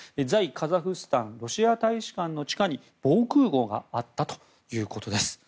カザフスタンロシア大使館の地下に防空壕があったということです。